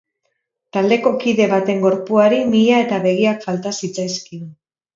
Taldeko kide baten gorpuari mihia eta begiak falta zitzaizkion.